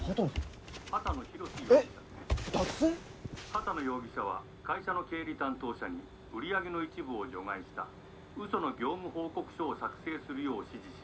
「波多野容疑者は会社の経理担当者に売り上げの一部を除外したうその業務報告書を作成するよう指示し」。